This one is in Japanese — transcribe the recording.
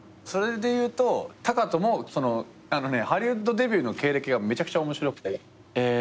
それで言うと学仁もハリウッドデビューの経歴がめちゃくちゃ面白くて。